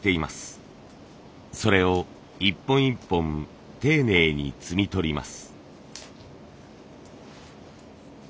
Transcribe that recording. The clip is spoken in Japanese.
それを一本一本丁寧に摘み取ります。